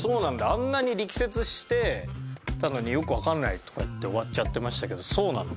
あんなに力説してたのによくわかんないとかって終わっちゃってましたけどそうなの。